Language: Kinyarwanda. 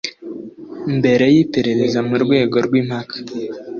Mbere y iperereza mu rwego rw impaka